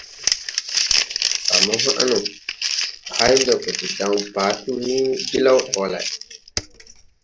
A mo haʼ no, à hay mbɛ gɔ de daŋ Patu ni jlaw ɗawa lay! ».